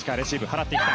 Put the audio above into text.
払っていった。